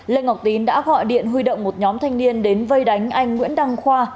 lê ngọc tín đã gọi điện huy động một nhóm thanh niên đến vây đánh anh nguyễn đăng khoa